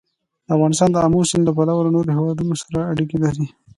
افغانستان د آمو سیند له پلوه له نورو هېوادونو سره اړیکې لري.